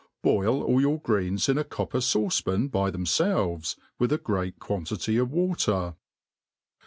Boil all yoor greens in a copper fauee pan by themfdves, with a great quantiiy of water.